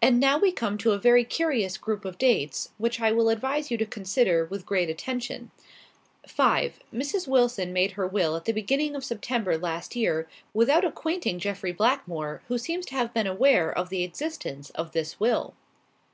"And now we come to a very curious group of dates, which I will advise you to consider with great attention. "5. Mrs. Wilson made her will at the beginning of September last year, without acquainting Jeffrey Blackmore, who seems to have been unaware of the existence of this will.